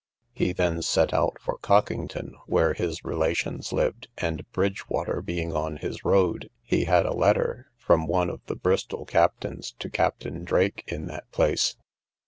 He then set out for Cockington, where his relations lived, and Bridgewater being on his road, he had a letter, from one of the Bristol captains, to Captain Drake in that place.